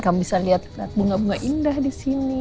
kamu bisa lihat lihat bunga bunga indah di sini